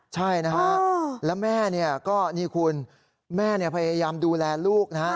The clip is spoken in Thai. ใช่นะครับแล้วแม่ก็นี่คุณแม่พยายามดูแลลูกนะครับ